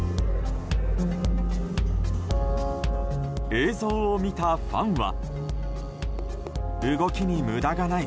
映像を見たファンは。